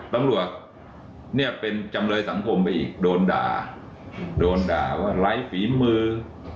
ตำรวจเนี่ยเป็นจำเลยสังคมไปอีกโดนด่าโดนด่าว่าไร้ฝีมือ